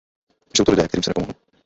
Jsou to lidé, kterým se nepomohlo.